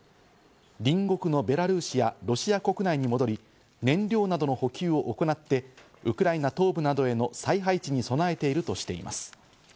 隣国のベラルーシやロシア国内に戻り、燃料などの補給を行って、ウクライナ東部などへの再配置に備えているとしています。